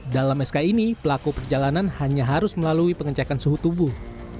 dalam sk ini pelaku perjalanan hanya harus melalui pengecekan suhu tubuh